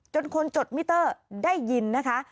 คนจดมิเตอร์ได้ยินนะคะ